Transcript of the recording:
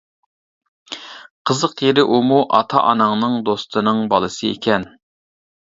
قىزىق يېرى ئۇمۇ ئاتا-ئاناڭنىڭ دوستىنىڭ بالىسى ئىكەن.